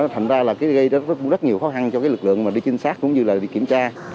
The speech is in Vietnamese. thành ra là gây rất nhiều khó khăn cho cái lực lượng mà đi trinh sát cũng như là đi kiểm tra